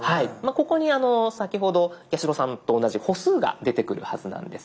ここに先ほど八代さんと同じ歩数が出てくるはずなんです。